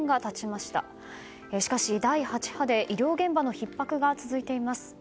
しかし、第８波で医療現場のひっ迫が続いています。